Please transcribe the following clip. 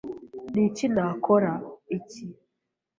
Niki Nakora iki?